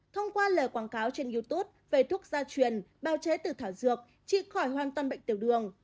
thông qua lời quảng cáo trên youtube về thuốc gia truyền bào chế từ thảo dược chi khỏi hoàn toàn bệnh tiểu đường